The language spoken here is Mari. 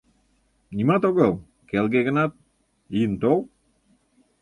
— Нимат огыл, келге гынат... ийын тол...